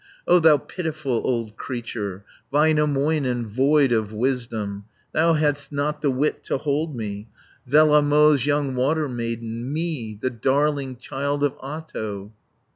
"O thou pitiful old creature, Väinämöinen, void of wisdom, 130 Thou hadst not the wit to hold me, Vellamo's young water maiden, Me, the darling child of Ahto!"